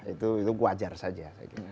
itu wajar saja